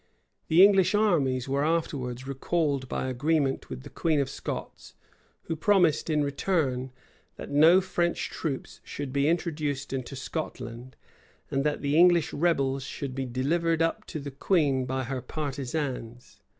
The English armies were afterwards recalled by agreement with the queen of Scots, who promised, in return, that no French troops should be introduced into Scotland, and that the English rebels should be delivered up to the queen by her partisans.